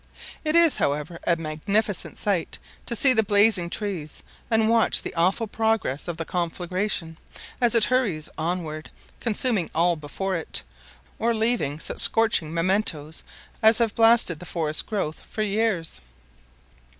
It is, however, a magnificent sight to see the blazing trees and watch the awful progress of the conflagration, as it hurries onward, consuming all before it, or leaving such scorching mementoes as have blasted the forest growth for years.